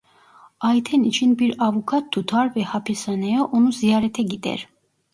Ayten için bir avukat tutar ve hapishaneye onu ziyarete gider.